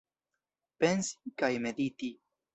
Pensi kaj mediti!